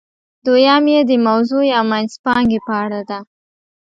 دویم یې د موضوع یا منځپانګې په اړه ده.